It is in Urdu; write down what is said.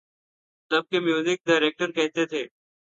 تب کے میوزک ڈائریکٹر کہتے تھے۔